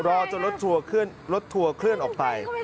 รอจนรถทัวร์ขึ้นรถทัวร์เคลื่อนออกไป